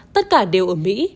tất cả đều ở mỹ